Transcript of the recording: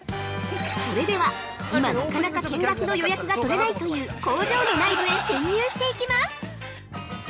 ◆それでは、今なかなか見学の予約が取れないという工場の内部へ潜入していきます！